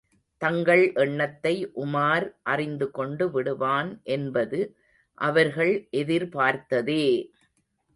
தங்கள் எண்ணத்தை உமார் அறிந்துகொண்டு விடுவான் என்பது அவர்கள் எதிர்பார்த்ததே!